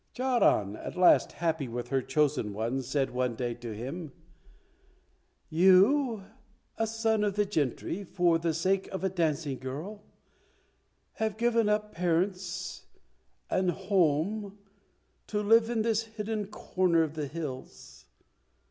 Charan, at last happy with her chosen one, said one day to him, "You, a son of the gentry, for the sake of a dancing girl have given up parents and home to live in this hidden corner of the hills.